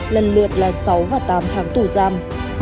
lần lượt là sáu và tám tháng tù giam